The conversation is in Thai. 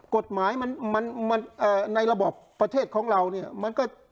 กฎหมายมันในระบบประเทศของเราเนี่ยมันก็